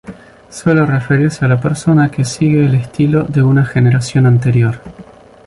Suele referirse a la persona que sigue el estilo de una generación anterior.